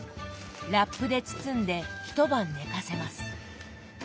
ラップで包んで一晩寝かせます。